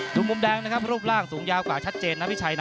มุมแดงนะครับรูปร่างสูงยาวกว่าชัดเจนนะพี่ชัยนะ